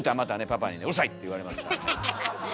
パパにね「うるさい」って言われますからね。